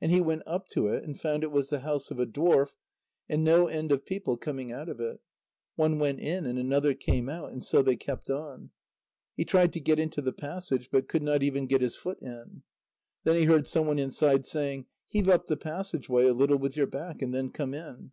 And he went up to it and found it was the house of a dwarf, and no end of people coming out of it. One went in and another came out, and so they kept on. He tried to get into the passage, but could not even get his foot in. Then he heard someone inside saying: "Heave up the passage way a little with your back, and then come in."